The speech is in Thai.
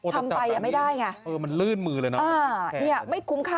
ถมไปไม่ได้ไง